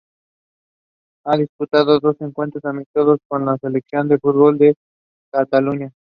Ha disputado dos encuentros amistosos con la selección de fútbol de Cataluña.